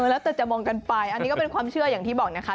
แล้วแต่จะมองกันไปอันนี้ก็เป็นความเชื่ออย่างที่บอกนะคะ